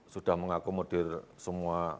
sudah mengakomodir semua